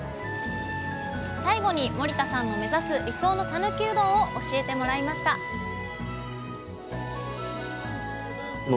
最後に森田さんの目指す理想の讃岐うどんを教えてもらいましたうわ